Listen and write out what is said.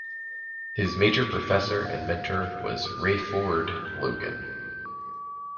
His major professor and mentor was Rayford Logan.